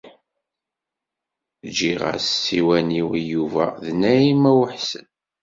Ǧǧiɣ-as ssiwan-iw i Yuba d Naɛima u Ḥsen.